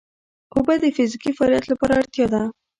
اوبه د فزیکي فعالیت لپاره اړتیا ده